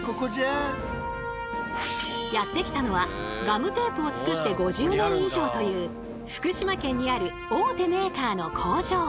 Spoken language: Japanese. やって来たのはガムテープを作って５０年以上という福島県にある大手メーカーの工場。